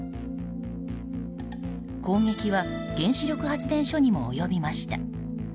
攻撃は原子力発電所にも及びました。